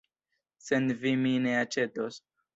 Sen vi mi ne aĉetos.